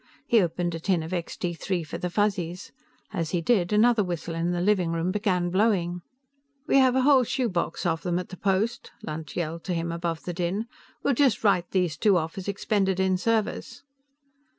He opened a tin of Extee Three for the Fuzzies, as he did, another whistle in the living room began blowing. "We have a whole shoebox full of them at the post," Lunt yelled to him above the din. "We'll just write these two off as expended in service."